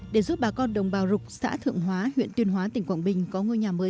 để giúp bà con đồng bào rục xã thượng hóa huyện tuyên hóa tỉnh quảng bình có ngôi nhà mới